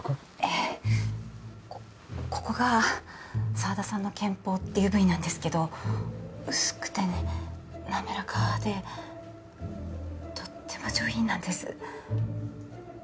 ええここが沢田さんの肩峰っていう部位なんですけど薄くて滑らかでとっても上品なんです